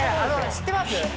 知ってます？